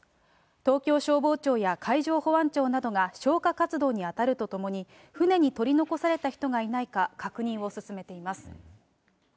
東京消防庁や海上保安庁などが消火活動に当たるとともに、船に取り残された人がいないか確認を進めています。